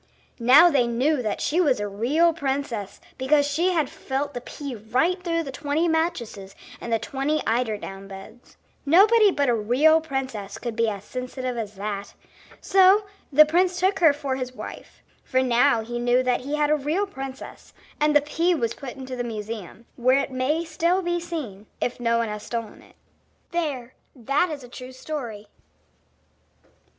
Now they knew that she was a real princess because she had felt the pea right through the twenty mattresses and the twenty eider down beds. Nobody but a real princess could be as sensitive as that. So the prince took her for his wife, for now he knew that he had a real princess; and the pea was put in the museum, where it may still be seen, if no one has stolen it. There, that is a true story.